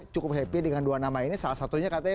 cukup happy dengan dua nama ini salah satunya katanya